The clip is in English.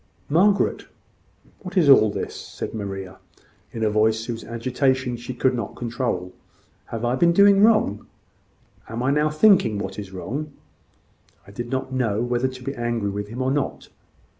"Margaret, what is all this?" said Maria, in a voice whose agitation she could not control. "Have I been doing wrong? Am I now thinking what is wrong? I did not know whether to be angry with him or not.